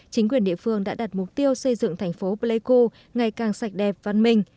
chính quyền địa phương đã đặt mục tiêu xây dựng thành phố pleiku ngày càng sạch đẹp văn minh